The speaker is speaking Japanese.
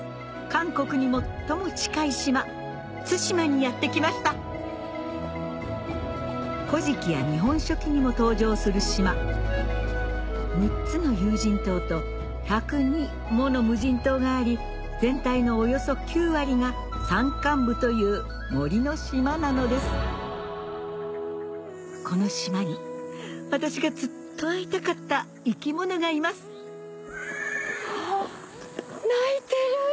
韓国に最も近い島対馬にやって来ました『古事記』や『日本書紀』にも登場する島６つの有人島と１０２もの無人島があり全体のおよそ９割が山間部という森の島なのですこの島に私がずっと会いたかった生き物がいますあっ鳴いてる。